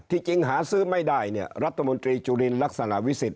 ที่จริงหาซื้อไม่ได้รัฐมนตรีจุลินรักษณวิสิทธิ์